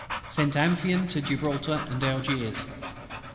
Sent Amphion to Gibraltar and Algiers.